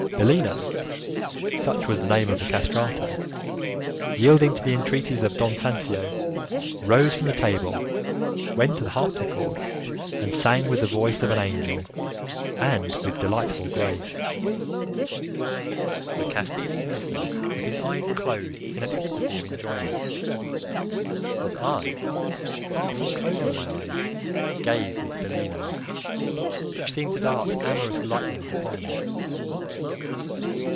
Bellino, such was the name of the castrato, yielding to the entreaties of Don Sancio, rose from the table, went to the harpsicord, and sang with the voice of an angel and with delightful grace. The Castilian listened with his eyes closed in an ecstasy of enjoyment, but I, far from closing my eyes, gazed into Bellino's, which seemed to dart amorous lightnings upon me.